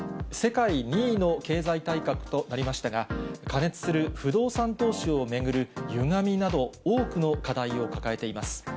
世界２位の経済大国となりましたが、過熱する不動産投資を巡るゆがみなど、多くの課題を抱えています。